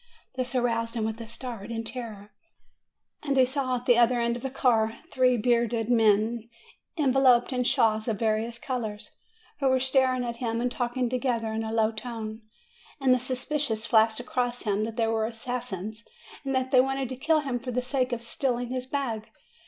This roused him with a start, in terror, and he saw at the other end of the car three bearded men enveloped in shawls of various colors who were staring at him and talking together in a low tone ; and the suspicion flashed across him that they were assas sins, and that they wanted to kill him for the sake of stealing his bag.